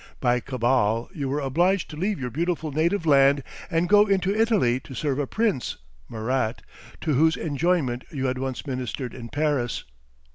By cabal you were obliged to leave your beautiful native land, and go into Italy to serve a prince (Murat) to whose enjoyment you had once ministered in Paris.